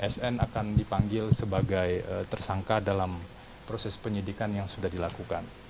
sn akan dipanggil sebagai tersangka dalam proses penyidikan yang sudah dilakukan